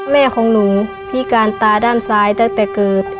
แม่ของหนูพิการตาด้านซ้ายตั้งแต่เกิด